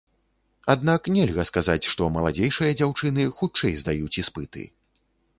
Аднак нельга сказаць, што маладзейшыя дзяўчыны хутчэй здаюць іспыты.